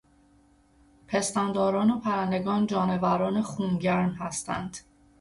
پستانداران و پرندگان جانوران خونگرم هستند.